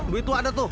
duit lu ada